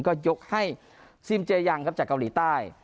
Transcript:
ก็ยกให้ซิมเจยังครับจากเกาหลีใต้